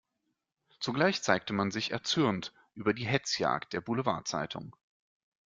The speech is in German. Zugleich zeigte man sich erzürnt über die Hetzjagd der Boulevard-Zeitung.